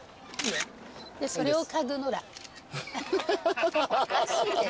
それを嗅ぐノラ。